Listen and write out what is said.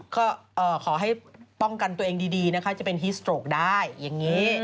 ก็ขอให้ป้องกันตัวเองดีนะคะจะเป็นฮิสโตรกได้อย่างนี้